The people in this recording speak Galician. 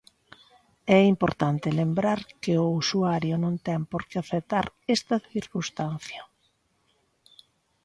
É importante lembrar que o usuario non ten por que aceptar esta circunstancia.